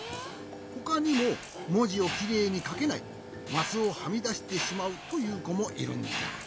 ほかにももじをきれいにかけないマスをはみだしてしまうというこもいるんじゃ。